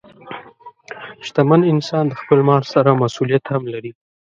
شتمن انسان د خپل مال سره مسؤلیت هم لري.